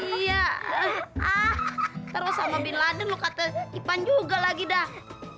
hah iya ah terus sama bin laden lu kata ipan juga lagi dah